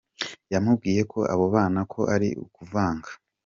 Yamubwiye ko abona ko ari ukuvanga.